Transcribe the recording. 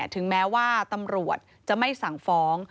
ถึงแม้ว่าตำรวจจะไม่สั่งฟ้อง